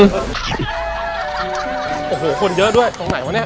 ผ่นเยอะด้วยสว่างไหนครับ